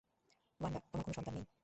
Wanda, তোমার কোনো সন্তান নেই।